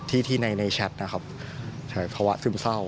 ที่ในแชทนะครับภาวะซึมเศร้า